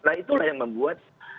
nah itulah yang membuat